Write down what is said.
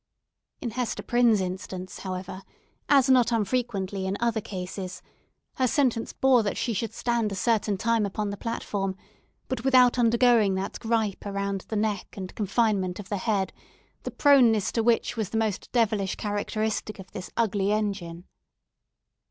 In Hester Prynne's instance, however, as not unfrequently in other cases, her sentence bore that she should stand a certain time upon the platform, but without undergoing that gripe about the neck and confinement of the head, the proneness to which was the most devilish characteristic of this ugly engine.